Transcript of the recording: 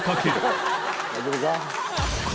大丈夫か？